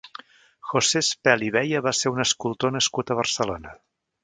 José Espelt i Beya va ser un escultor nascut a Barcelona.